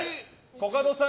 コカドさん